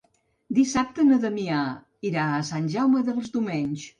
Dissabte na Damià irà a Sant Jaume dels Domenys.